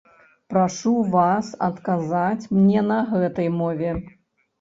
Прашу вас адказаць мне на гэтай мове.